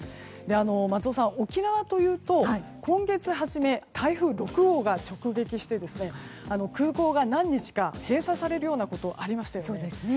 松尾さん、沖縄というと今月初め台風６号が直撃して空港が何日か閉鎖されることがありましたよね。